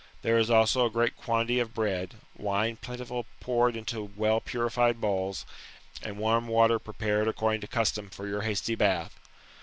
There is also a great quantity of bread ; wine plentifully poured into well purified bowls, and warm water prepared according to custom for your hasty bath."